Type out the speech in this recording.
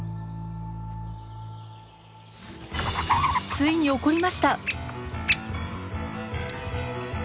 ついに怒りました！